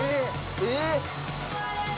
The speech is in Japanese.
えっ？